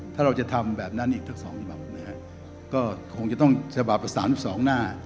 ถ้าเราจะทำแบบนั้นอีกทั้งสองก็คงจะต้องสบายประสานสองหน้า